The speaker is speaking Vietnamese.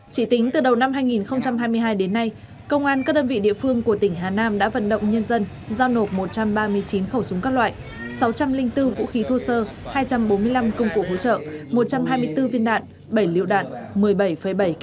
chỉ tính từ đầu năm hai nghìn hai mươi hai đến nay công an các đơn vị địa phương của tỉnh hà nam đã vận động nhân dân giao nộp một trăm ba mươi chín khẩu súng các loại sáu trăm linh bốn vũ khí thô sơ hai trăm bốn mươi năm công cụ hỗ trợ một trăm hai mươi bốn viên đạn bảy liệu đạn